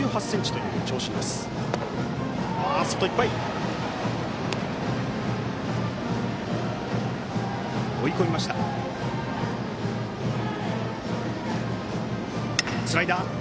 １ｍ８８ｃｍという長身、南澤。